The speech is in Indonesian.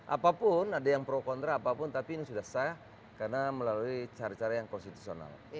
apapun ada yang pro kontra apapun tapi ini sudah sah karena melalui cara cara yang konstitusional